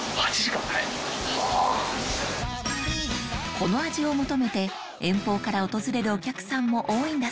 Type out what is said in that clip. この味を求めて遠方から訪れるお客さんも多いんだ